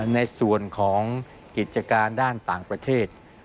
ในส่วนของกิจการด้านต่างประเทศ